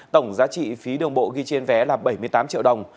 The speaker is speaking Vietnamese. tổng giá trị phí đường bộ ghi trên vé là bảy mươi tám triệu đồng